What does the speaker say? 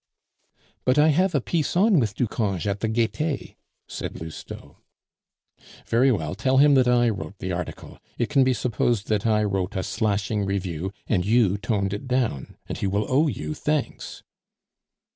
"But I have a piece on with Ducange at the Gaite," said Lousteau. "Very well, tell him that I wrote the article. It can be supposed that I wrote a slashing review, and you toned it down; and he will owe you thanks."